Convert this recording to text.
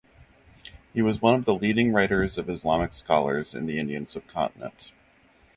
He was one of the leading writers of Islamic scholars in the Indian subcontinent.